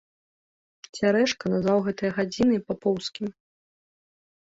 Цярэшка назваў гэтыя гадзіны папоўскімі.